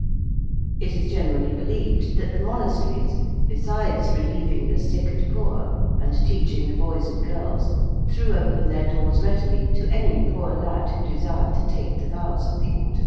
] It is generally believed that the monasteries, besides relieving the sick and poor and teaching the boys and girls, threw open their doors readily to any poor lad who desired to take the vows of the Order.